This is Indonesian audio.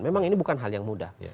memang ini bukan hal yang mudah